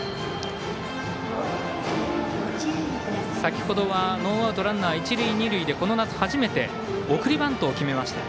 先ほどは、ノーアウトランナー、一塁二塁でこの夏初めて送りバントを決めました。